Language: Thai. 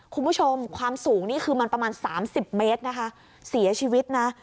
คุณผู้ชมความสูงนี่คือมันประมาณสามสิบเมตรนะคะเสียชีวิตนะ